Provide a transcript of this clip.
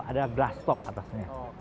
ada glass top atasnya